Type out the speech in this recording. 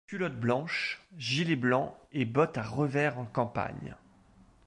Culotte blanche, gilet blanc et bottes à revers en campagne.